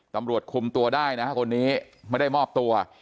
ตำรวจคุมตัวได้นะคนนี้ไม่ได้มอบตัว